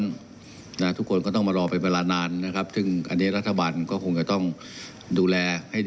ขอให้ทุกคนได้แบ่นแบ่นการให้ประชาชนได้